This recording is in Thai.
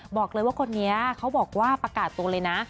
บอกเลยว่าคนนี้เขาบอกว่าประกาศตัวเลยนะ